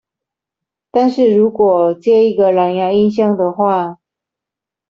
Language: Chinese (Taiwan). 但是如果接一個藍芽音箱的話